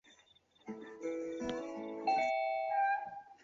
为苏克素护河部沾河寨长。